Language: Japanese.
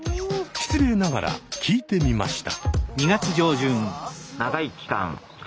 失礼ながら聞いてみました。